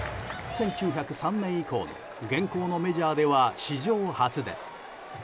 １９０３年以降の現行のメジャーでは史上初です。